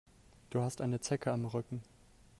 Du hast eine Zecke am Rücken.